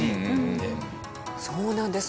そうなんです。